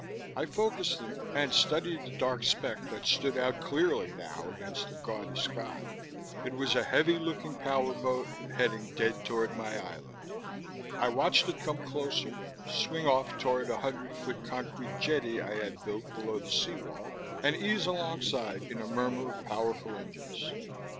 I focused them and studied the dark speck that stood out clearly now against the gaudy sky. It was a heavy looking power boat, heading dead toward my island. I watched it come closer, swing off toward the hundred foot concrete jetty I had built below the sea wall, and ease alongside in a murmur of powerful engines.